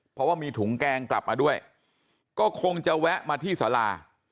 เพราะว่ามีถุงแกงกลับมาด้วยก็คงจะแวะมาที่สารา